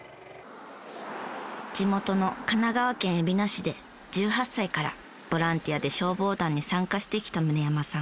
地元の神奈川県海老名市で１８歳からボランティアで消防団に参加してきた宗山さん。